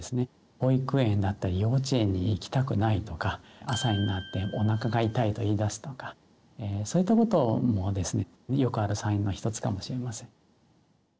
保育園だったり幼稚園に行きたくないとか朝になっておなかが痛いと言いだすとかそういったこともですねよくあるサインの一つかもしれません。